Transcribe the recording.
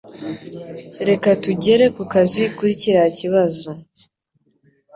Reka tugere kukazi kuri kiriya kibazo.